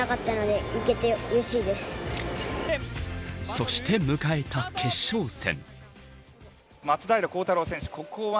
そして迎えた決勝戦。